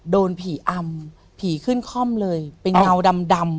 โดนผีอำผีขึ้นค่อมเลยเป็นเงาดำ